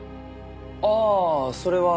ああそれは。